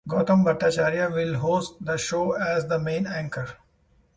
Goutam Bhattacharya will host the show as the main anchor.